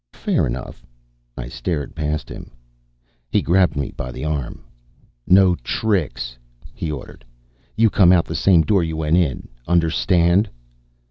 "Fair enough." I started past him. He grabbed me by the arm. "No tricks," he ordered. "You come out the same door you went in, understand?"